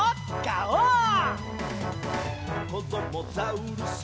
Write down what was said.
「こどもザウルス